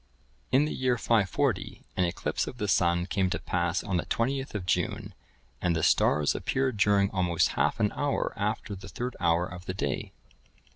(1033) In the year 540, an eclipse of the sun came to pass on the 20th of June, and the stars appeared during almost half an hour after the third hour of the day.